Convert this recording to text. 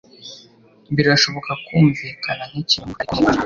Birashobora kumvikana nkikinyoma, ariko nukuri.